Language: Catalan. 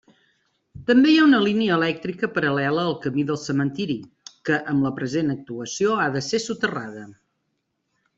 També hi ha una línia elèctrica paral·lela al camí del cementiri, que amb la present actuació ha de ser soterrada.